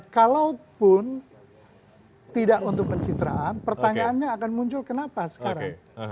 kalaupun tidak untuk pencitraan pertanyaannya akan muncul kenapa sekarang